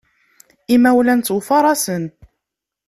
Imawlan ttufaṛasen.